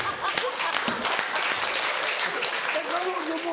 彼女も？